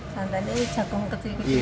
jantan ini jagung kecil kecil dulu